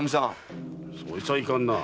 そいつはいかんなあ。